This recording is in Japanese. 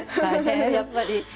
やっぱり。